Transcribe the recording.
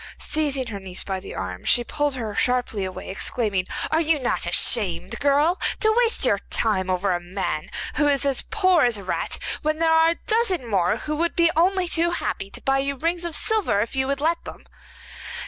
Seizing her niece by the arm, she pulled her sharply away, exclaiming: 'Are you not ashamed, girl, to waste your time over a man who is as poor as a rat, when there are a dozen more who would be only too happy to buy you rings of silver, if you would let them?